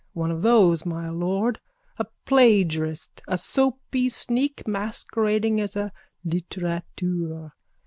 One of those, my lord. A plagiarist. A soapy sneak masquerading as a literateur.